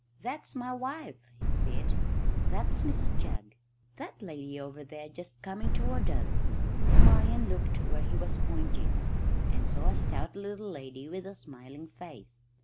"That's my wife," he said. "That's Mrs Jugg, that lady over there, just coming toward us." Marian looked where he was pointing, and saw a stout little lady with a smiling face.